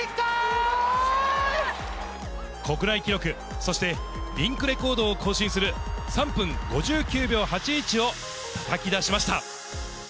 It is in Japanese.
国内記録、そしてリンクレコードを更新する３分５９秒８１をたたき出しました。